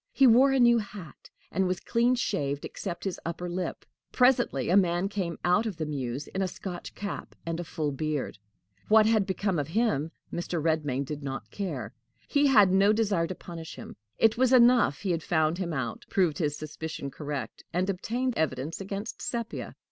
He wore a new hat, and was clean shaved except his upper lip. Presently a man came out of the mews in a Scotch cap and a full beard. What had become of him Mr. Redmain did not care. He had no desire to punish him. It was enough he had found him out, proved his suspicion correct, and obtained evidence against Sepia.